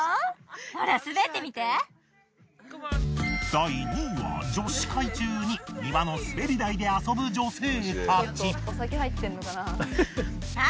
第２位は女子会中に庭の滑り台で遊ぶ女性たち。